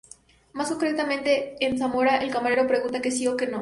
Más concretamente, en Zamora el camarero pregunta: "¿Que sí o que no?